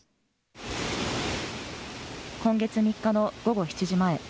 今月３日の午後７時前。